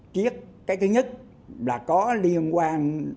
triết cái thứ nhất là có liên quan tầm phạm với vụ án này